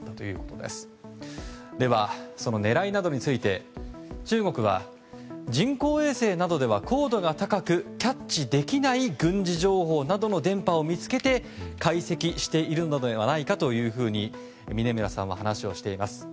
では、狙いなどについて中国は人工衛星などでは高度が高くキャッチできない軍事情報などの電波を見つけて解析しているのではないかというふうに峯村さんは話をしています。